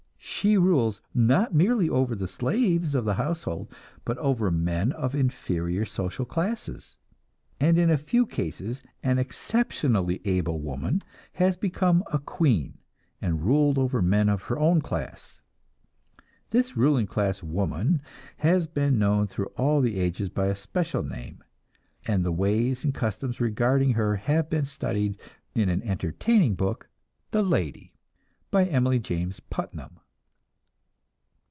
She rules, not merely over the slaves of the household, but over men of inferior social classes, and in a few cases an exceptionally able woman has become a queen, and ruled over men of her own class. This ruling class woman has been known through all the ages by a special name, and the ways and customs regarding her have been studied in an entertaining book, "The Lady," by Emily James Putnam.